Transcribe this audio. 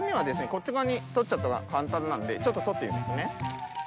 こっち側に取っちゃったほうが簡単なんでちょっと取ってみますね。